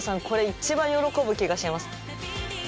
これ一番喜ぶ気がします。